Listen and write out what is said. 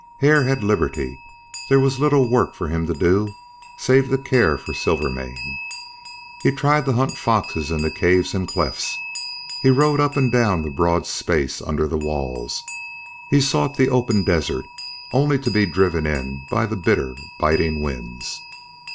Hare had liberty; there was little work for him to do save to care for Silvermane. He tried to hunt foxes in the caves and clefts; he rode up and down the broad space under the walls; he sought the open desert only to be driven in by the bitter, biting winds.